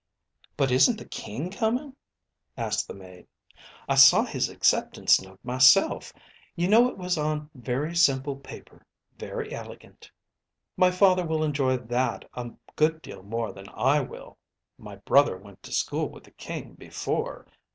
"But isn't the King coming?" asked the maid. "I saw his acceptance note myself. You know it was on very simple paper. Very elegant." "My father will enjoy that a good deal more than I will. My brother went to school with the King before